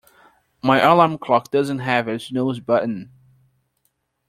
My alarm clock doesn't have a snooze button.